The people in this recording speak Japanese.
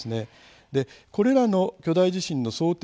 これらの巨大地震の想定